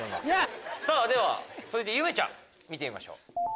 では続いてゆめちゃん見てみましょう。